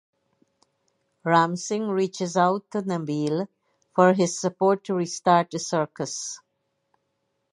Ramsingh reaches out to Nabeel for his support to restart the circus.